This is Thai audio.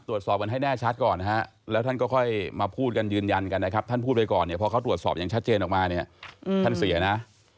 ตรวจสอบกันให้แน่ชัดก่อนนะฮะแล้วท่านก็ค่อยมาพูดกันยืนยันกันนะครับท่านพูดไปก่อนเนี่ยพอเขาตรวจสอบอย่างชัดเจนออกมาเนี่ยท่านเสียนะ